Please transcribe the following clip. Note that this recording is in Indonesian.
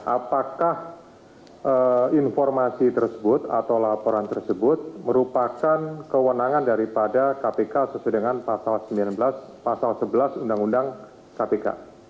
apakah informasi tersebut atau laporan tersebut merupakan kewenangan daripada kpk sesuai dengan pasal sembilan belas pasal sebelas undang undang kpk